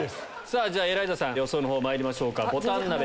さぁエライザさん予想のほうまいりましょうか。